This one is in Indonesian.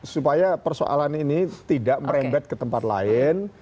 supaya persoalan ini tidak merembet ke tempat lain